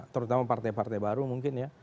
terutama partai partai baru mungkin ya